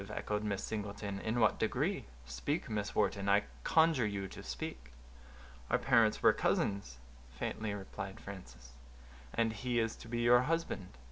echoed Miss Singleton; "in what degree?—speak, Miss Wharton, I conjure you to speak." "Our parents were cousins," faintly replied Frances. "And he is to be your husband?"